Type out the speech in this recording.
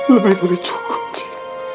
lebih dari cukup cik